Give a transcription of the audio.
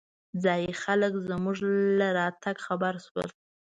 ځايي خلک زمونږ له راتګ خبر شول.